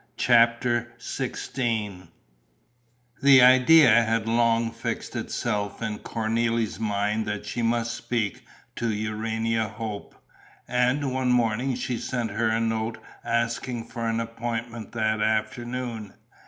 CHAPTER XVI The idea had long fixed itself in Cornélie's mind that she must speak to Urania Hope; and one morning she sent her a note asking for an appointment that afternoon.